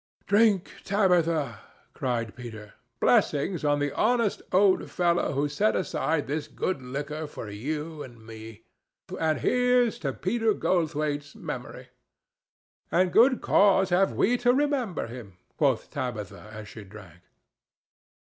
"Drink, Tabitha!" cried Peter. "Blessings on the honest old fellow who set aside this good liquor for you and me! And here's to Peter Goldthwaite's memory!" "And good cause have we to remember him," quoth Tabitha as she drank.